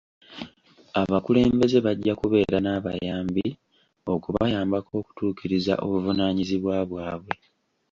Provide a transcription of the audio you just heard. Abakulembeze bajja kubeera n'abayambi okubayambako okutuukiriza obuvunaanyizibwa bwabwe.